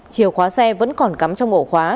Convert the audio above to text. chiều khóa xe vẫn còn cắm trong ổ khóa